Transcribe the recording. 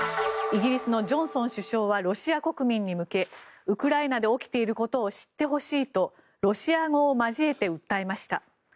イギリスのジョンソン首相はロシア国民に向けウクライナで起きていることを知ってほしいとロシア語を交えて訴えました。